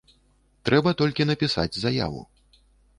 Трэба толькі напісаць заяву.